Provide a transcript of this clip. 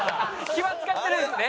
気は使ってるんですね。